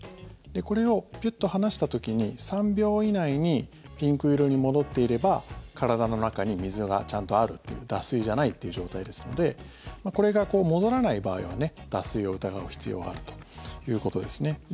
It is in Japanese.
これをピュッと離した時に３秒以内にピンク色に戻ってれば体の中に水がちゃんとあるっていう脱水じゃないという状態ですのでこれが戻らない場合は脱水を疑う必要があるということですね。